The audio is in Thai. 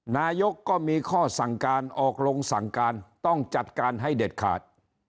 นายกก็มีข้อสั่งการออกลงสั่งการต้องจัดการให้เด็ดขาด